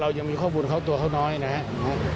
ยังมีข้อมูลเขาตัวเขาน้อยนะครับ